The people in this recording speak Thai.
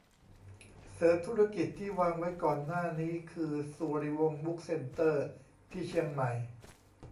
เสริมธุรกิจที่วางไว้ก่อนหน้านี้คือสุริวงศ์บุ๊คเซนเตอร์ ที่เชียงใหม่ ?